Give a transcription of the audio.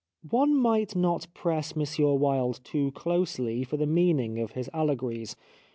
" One might not press M. Wilde too closely for the meaning of his allegories.